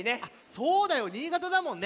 そうだよ新潟だもんね。